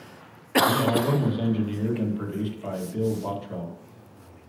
The album was engineered and produced by Bill Bottrell.